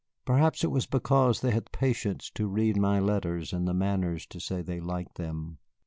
Perhaps it was because they had the patience to read my letters and the manners to say they liked them."